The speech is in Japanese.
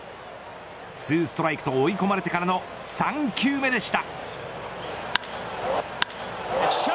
ツーストライクと追い込まれてからの３球目でした。